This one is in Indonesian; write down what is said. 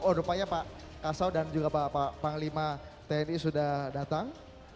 oh rupanya pak kasau dan juga pak panglima tni sudah datang